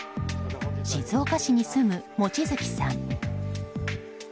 静岡市に住む望月さん。